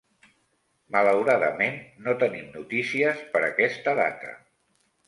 Malauradament, no tenim notícies per aquesta data.